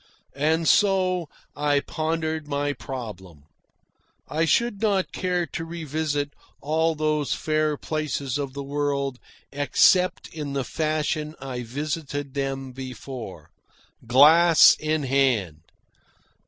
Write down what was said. And so I pondered my problem. I should not care to revisit all these fair places of the world except in the fashion I visited them before. GLASS IN HAND!